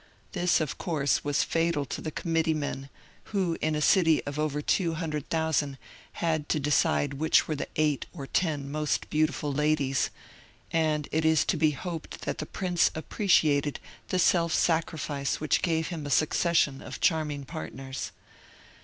This, of course, was fatal to the committeemen, who in a city of over 200,000 had to decide which were the eight or ten most beautiful ladies ; and it is to be hoped that the prince appreciated the self sacrifice which gave him a succession of charming partners.